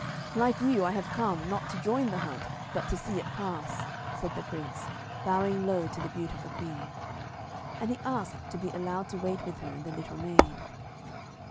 'Like you, I have come, not to join the hunt, but to see it pass,' said the Prince, bowing low to the beautiful Queen. And he asked to be allowed to wait with her and the little maid.